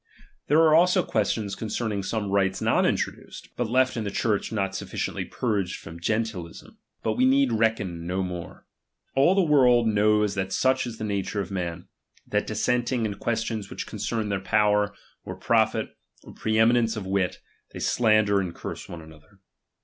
There are also questions concern ing some rites not introduced, but left in the Church not sufficiently purged from GentUism. But we need reckon no more. All the world knows that such is the nature of men, that dissent ing in questions which concern their potver, or profit, or pre eminence of wit, they slander and . curse each other.